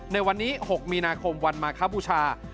ในวันนี้๖มีนาคมวันมาคบูชา